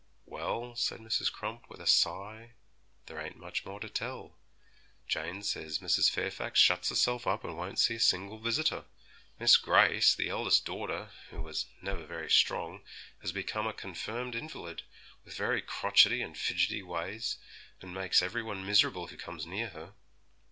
'Well,' said Mrs. Crump, with a sigh, 'there ain't much more to tell. Jane says Mrs. Fairfax shuts herself up and won't see a single visitor; Miss Grace, the eldest daughter, who was never very strong, has become a confirmed invalid, with very crotchety and fidgety ways, and makes every one miserable who comes near her.